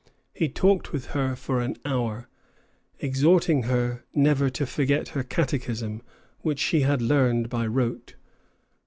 He talked with her for an hour, exhorting her never to forget her catechism, which she had learned by rote.